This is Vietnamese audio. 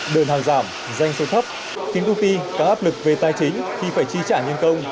đơn hàng giảm doanh số thấp khiến công ty có áp lực về tài chính khi phải chi trả nhân công